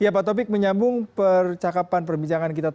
ya pak topik menyambung percakapan perbincangan kita